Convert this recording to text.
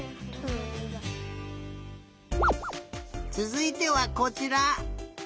つづいてはこちら。